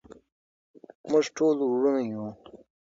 موږ ټول ورونه یو.